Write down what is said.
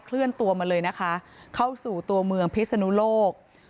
เลื่อนตัวมาเลยนะคะเข้าสู่ตัวเมืองพิศนุโลก